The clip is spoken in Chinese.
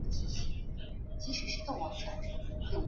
拉沙佩勒于雷埃。